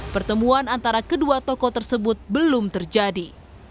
pertemuan antara kedua tokoh tersebut belum terjadi